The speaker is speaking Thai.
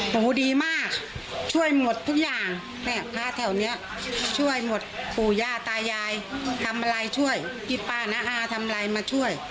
โหดีมากช่วยหมดทุกอย่างแม่พระแถวนี้ช่วยหมดปู่ย่าตายายทำอะไรช่วยพี่ป้าน้าอาทำอะไรมาช่วย